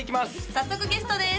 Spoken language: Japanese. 早速ゲストです